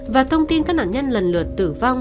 và thông tin các nạn nhân lần lượt tử vong